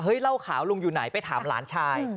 เหล้าขาวลุงอยู่ไหนไปถามหลานชาย